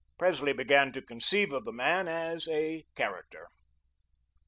Presley began to conceive of the man as a "character."